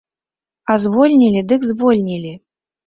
А звольнілі, дык звольнілі!